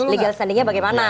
legal standingnya bagaimana